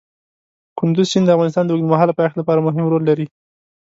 کندز سیند د افغانستان د اوږدمهاله پایښت لپاره مهم رول لري.